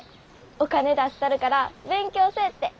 お金出したるから勉強せえって。